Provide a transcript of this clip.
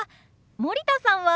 森田さんは？